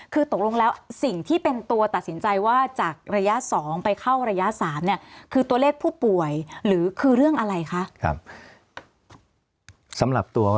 คือตกลงแล้วสิ่งที่เป็นตัวตัดสินใจว่าจากระยะ๒ไปเข้าระยะ๓เนี่ยคือตัวเลขผู้ป่วยหรือคือเรื่องอะไรคะ